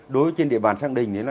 đối trên địa bàn sang đình